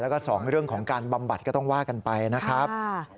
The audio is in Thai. แล้วก็๒เรื่องของการบำบัดก็ต้องว่ากันไปนะครับ